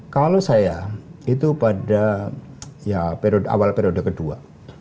kalau saya itu pada awal periode kedua